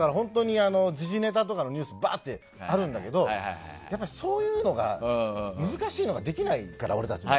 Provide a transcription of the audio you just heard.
時事ネタとかのニュースもばーってあるんだけどそういうのが難しいのができないから俺たちは。